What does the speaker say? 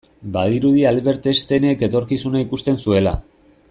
Badirudi Albert Einsteinek etorkizuna ikusten zuela.